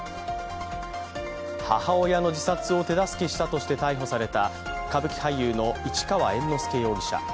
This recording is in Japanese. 母親の自殺を手助けしたとして逮捕された歌舞伎俳優の市川猿之助容疑者。